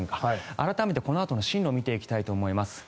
改めてこのあとの進路を見ていきたいと思います。